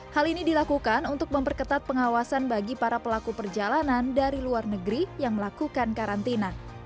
hal ini dilakukan untuk memperketat pengawasan bagi para pelaku perjalanan dari luar negeri yang melakukan karantina